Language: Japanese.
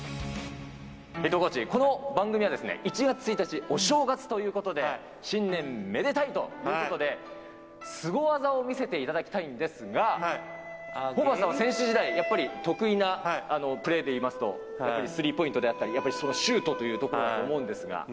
ヘッドコーチ、この番組は１月１日、お正月ということで、新年めでたいということで、すご技を見せていただきたいんですが、ホーバスさんは選手時代、やっぱり得意なプレーでいいますと、やっぱりスリーポイントであったり、やっぱりシュートというところだと思うんですが。